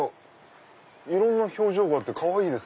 いろんな表情があってかわいいですね。